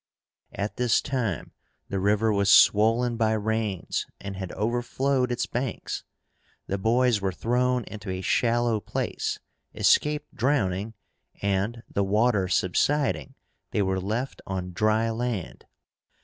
At this time the river was swollen by rains, and had overflowed its banks. The boys were thrown into a shallow place, escaped drowning, and, the water subsiding, they were left on dry land.